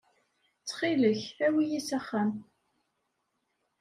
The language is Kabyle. Ttxil-k awi-yi s axxam.